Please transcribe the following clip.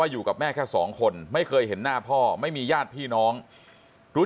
อยู่กับแม่แค่สองคนไม่เคยเห็นหน้าพ่อไม่มีญาติพี่น้องรู้